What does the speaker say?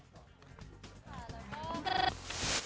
เที่ยวหนูก็เป็นเส้นเอ็นค่ะ